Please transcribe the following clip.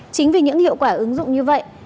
chính vì những hiệu quả ứng dụng như vậy